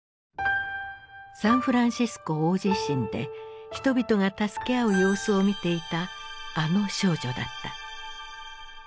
サンフランシスコ大地震で人々が助け合う様子を見ていたあの少女だった。